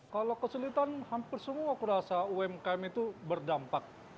kalau kesulitan hampir semua aku rasa umkm itu berdampak